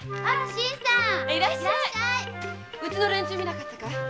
新さんうちの連中見なかったかい？